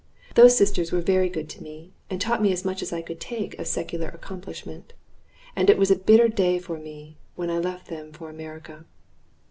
Those sisters were very good to me, and taught me as much as I could take of secular accomplishment. And it was a bitter day for me when I left them for America.